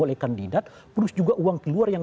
oleh kandidat terus juga uang keluar yang